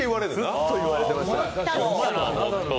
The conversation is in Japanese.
ずっと言われてましたね。